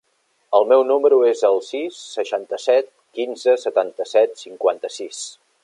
El meu número es el sis, seixanta-set, quinze, setanta-set, cinquanta-sis.